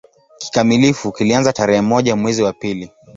Kikamilifu kilianza tarehe moja mwezi wa pili